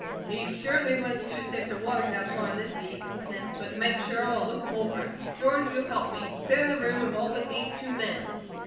"He surely was too sick to walk that far in this heat," he said. "But to make sure, I'll look him over. George, you help me. Clear the room of all but these two men."